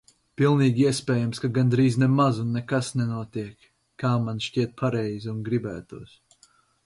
Pilnīgi iespējams, ka gandrīz nemaz un nekas nenotiek, kā man šķiet pareizi un gribētos.